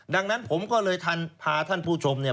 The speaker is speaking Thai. ดังนั้นผมก็เลยทันพาท่านผู้ชมเนี่ย